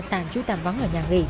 tàn trú tàm vắng ở nhà nghỉ